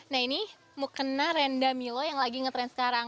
nah ini mukena renda milo yang lagi ngetrend sekarang